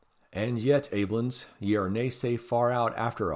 And yet, aiblins, ye are na sae far out after a'.